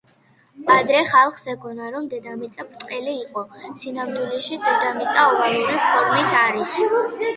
ადრე ხალსხ ეგონა რომ დედამიწა ბრტყელი იყო, სინამდვილეში დედამიწა ოვალური ფორმის არის.